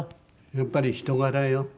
やっぱり人柄よ。